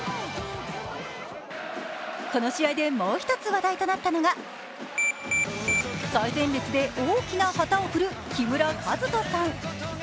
この試合でもう１つ話題となったのが最前列で大きな旗を振る木村和人さん。